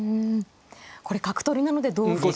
これ角取りなので同歩と。